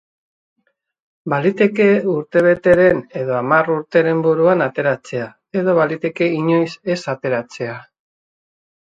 Baliteke urtebeteren edo hamar urteren buruan ateratzea, edo baliteke inoiz ez ateratzea.